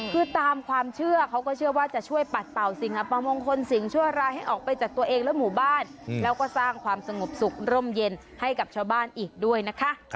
คือตามความเชื่อเขาก็เชื่อว่าจะช่วยปัดเป่าสิ่งอัปมงคลสิ่งชั่วร้ายให้ออกไปจากตัวเองและหมู่บ้านแล้วก็สร้างความสงบสุขร่มเย็นให้กับชาวบ้านอีกด้วยนะคะ